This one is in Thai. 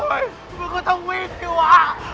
มึงก็ต้องวิ่งที่วะ